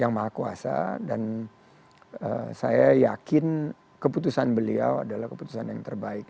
yang maha kuasa dan saya yakin keputusan beliau adalah keputusan yang terbaik